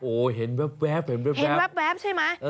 โอ้โฮเห็นแบบจริงไหม